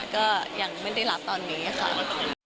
ก็ยังไม่ได้รับตอนนี้ค่ะ